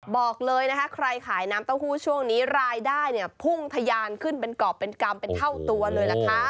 บอกเลยนะคะใครขายน้ำเต้าหู้ช่วงนี้รายได้เนี่ยพุ่งทะยานขึ้นเป็นกรอบเป็นกรรมเป็นเท่าตัวเลยล่ะค่ะ